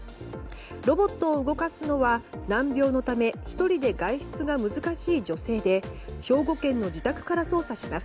ロボットを動かすのは難病のため１人で外出が難しい女性で兵庫県の自宅から操作します。